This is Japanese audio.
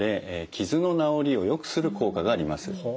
傷の治りをよくする効果があります。